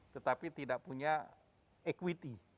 tetapi tidak punya equity